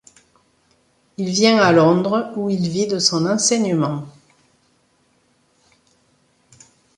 Il vient à Londres, où il vit de son enseignement.